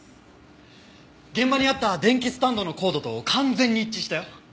現場にあった電気スタンドのコードと完全に一致したよ。